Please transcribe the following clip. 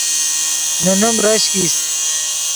نے نیم رشک ایست